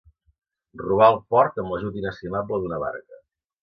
Robar al port amb l'ajut inestimable d'una barca.